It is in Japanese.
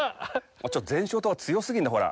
ちょっと前照灯が強すぎるんだ、ほら。